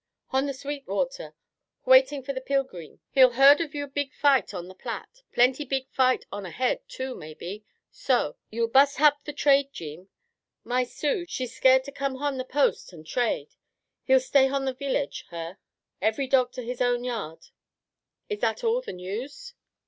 "H'on the Sweetwater, h'awaitin' for the peelgrim. Hi'll heard of your beeg fight on the Platte. Plenty beeg fight on ahead, too, maybe so. You'll bust h'up the trade, Jeem. My Sioux, she's scare to come h'on the post h'an' trade. He'll stay h'on the veelage, her." "Every dog to his own yard. Is that all the news?"